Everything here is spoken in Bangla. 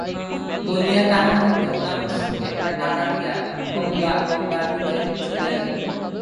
বলিয়া তাহার হাতে অনাবশ্যক একটা টাকা দিয়া কমলা গঙ্গার দিকে চলিয়া গেল।